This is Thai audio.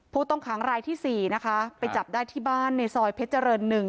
ผู้ต้องขังรายที่๔นะคะไปจับได้ที่บ้านในซอยเพชรเจริญ๑